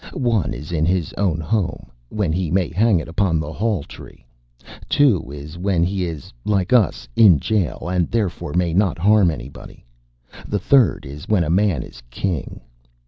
One is in his own home, when he may hang it upon the halltree. Two is when he is, like us, in jail and therefore may not harm anybody. The third is when a man is King.